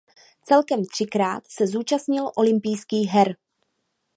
Celkem třikrát se zúčastnil olympijských her.